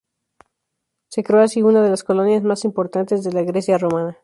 Se creó así una de las colonias más importantes de la Grecia romana.